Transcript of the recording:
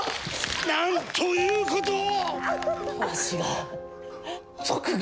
なんということを！